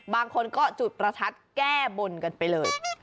บางคนก็จุดประทัดแก้บนกันไปเลย